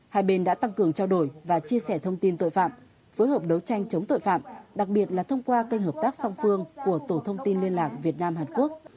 hai bên đã tăng cường trao đổi và chia sẻ thông tin tội phạm phối hợp đấu tranh chống tội phạm đặc biệt là thông qua kênh hợp tác song phương của tổ thông tin liên lạc việt nam hàn quốc